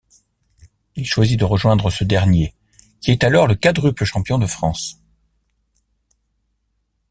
Il choisit de rejoindre ce dernier, qui est alors le quadruple champion de France.